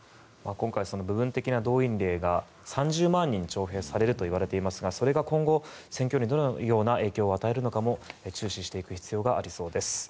今回、部分的な動員令が３０万人、徴兵されるといわれていますがそれが今後、戦況にどのような影響を与えるのかも注視していく必要がありそうです。